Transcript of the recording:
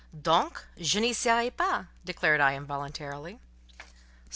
"Donc je n'y serai pas," declared I, involuntarily.